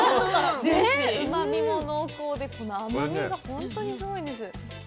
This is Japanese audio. うまみも濃厚で、甘みが本当にすごいんです。